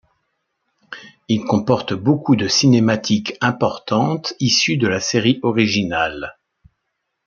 Il comporte beaucoup de cinématiques importantes issues de la série originale.